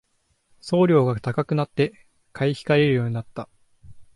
送料が高くなって買い控えるようになった